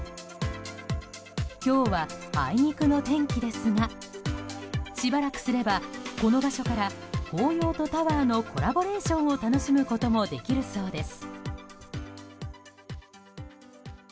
今日はあいにくの天気ですがしばらくすれば、この場所から紅葉とタワーのコラボレーションを楽しむこともできるそうです。